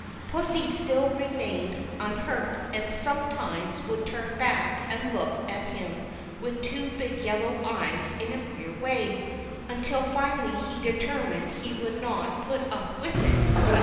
Pussy still remained unhurt, and sometimes would turn back and look at him with two big yellow eyes in a queer way, until finally he determined he would not put up with it.